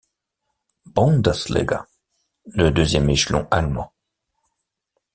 Bundesliga, le deuxième échelon allemand.